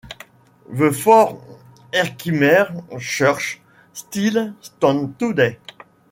The Fort Herkimer Church still stands today.